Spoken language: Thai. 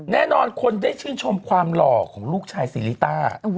แน่นอนคนได้ชื่นชมความหล่อของลูกชายซีริต้า